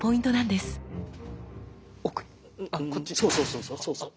そうそうそうそう。